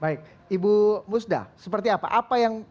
ibu musda seperti apa apa yang